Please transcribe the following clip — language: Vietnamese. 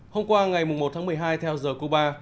hôm qua ngày một tháng một mươi hai theo giờ cuba